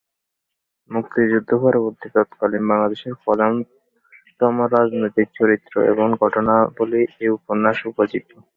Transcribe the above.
মুক্তিযুদ্ধ পরবর্তী তৎকালীন বাংলাদেশের প্রধানতম রাজনৈতিক চরিত্র এবং ঘটনাবলি এ উপন্যাসের উপজীব্য।